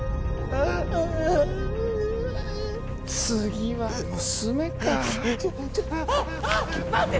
次は娘かあっあっ待って！